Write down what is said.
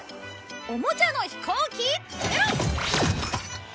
おもちゃの飛行機出ろ！